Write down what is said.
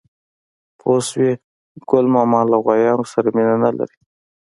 _پوه شوې؟ ګل ماما له غوايانو سره مينه نه لري.